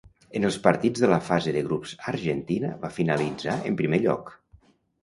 En els partits de la fase de grups Argentina va finalitzar en primer lloc.